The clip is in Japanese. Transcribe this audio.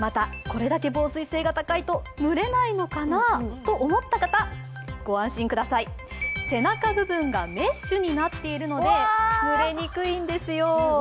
これだけ防水性が高いと蒸れないのかな？と思った方、ご安心ください、背中部分がメッシュになっているので、蒸れにくいんですよ。